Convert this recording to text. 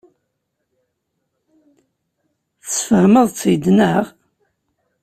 Tesfehmeḍ-tt-id, naɣ?